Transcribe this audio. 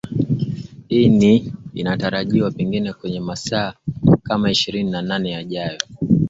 ini inatarajiwa pengine kwenye masaa kama ishirini na nne yajayo